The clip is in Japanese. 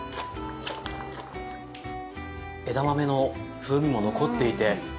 枝豆の風味も残っていて。